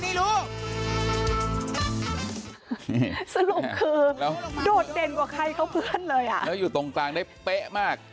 นี่สรุปคือโดดเด่นกว่าใครเขาเพื่อนเลยอ่ะแล้วอยู่ตรงกลางได้เป๊ะมาก